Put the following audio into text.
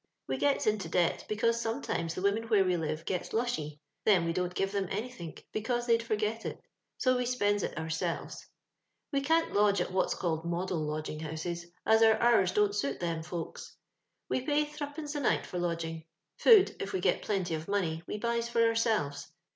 We gets into debt, because sometimes the women where we live sets lushy ; then we don't give them anythink, because they'd forget it, so we spends it our selves. We can't lodge at what's called model lodging houses, as our hours don't suit them folks. We pays threepence a nlght for lodging. Pood, if we get plenty of money, we buys for cursives.